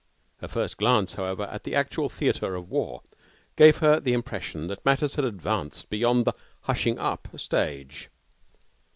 Her first glance, however, at the actual theatre of war gave her the impression that matters had advanced beyond the hushing up stage.